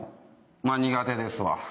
まあ苦手ですわ。